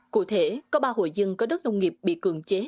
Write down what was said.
cụ thể có ba hội dân có đất nông nghiệp bị cưỡng chế